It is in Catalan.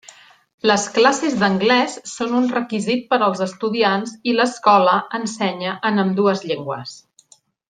Les classes d'anglès són un requisit per als estudiants, i l'escola ensenya en ambdues llengües.